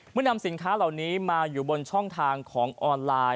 นำสินค้าเหล่านี้มาอยู่บนช่องทางของออนไลน์